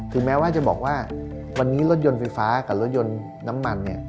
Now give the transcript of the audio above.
แม้ว่าจะบอกว่าวันนี้รถยนต์ไฟฟ้ากับรถยนต์น้ำมันเนี่ย